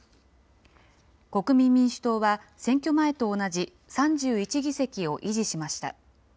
国民民主党は選挙前と同じ３１議席を維持しました。